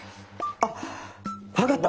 あっ分かった。